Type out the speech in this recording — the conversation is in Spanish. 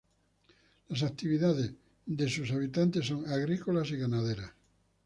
Las actividades de sus habitantes son agrícolas y ganaderas.